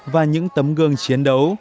và những tấm gương chiến đấu